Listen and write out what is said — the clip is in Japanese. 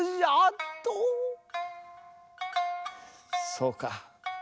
そうか。